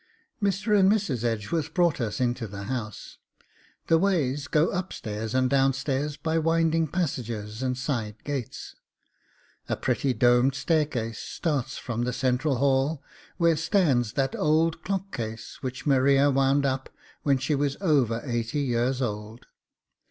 Mr. and Mrs. Edgeworth brought us into the house. The ways go upstairs and downstairs, by winding passages and side gates; a pretty domed staircase starts from the central hall, where stands that old clock case which Maria wound up when she was over eighty years old.